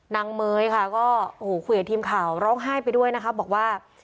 เมยค่ะก็โอ้โหคุยกับทีมข่าวร้องไห้ไปด้วยนะคะบอกว่า